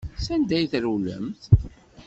Sanda ay trewlemt?